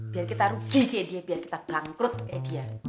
biar kita rugi dia biar kita bangkrut ya dia